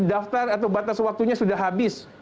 daftar atau batas waktunya sudah habis